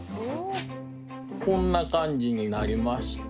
こんな感じになりまして。